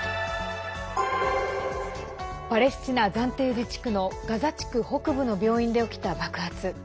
パレスチナ暫定自治区のガザ地区北部の病院で起きた爆発。